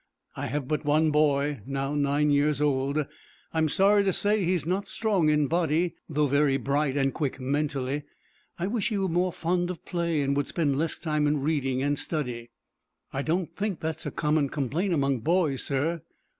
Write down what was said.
"I have but one boy, now nine years old. I am sorry to say he is not strong in body, though very bright and quick, mentally. I wish he were more fond of play and would spend less time in reading and study." "I don't think that is a common complaint among boys, sir."